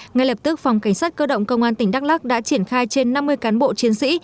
ngay lập tức phòng cảnh sát cơ động công an tỉnh đắk lắc đã triển khai trên năm mươi cán bộ chiến sĩ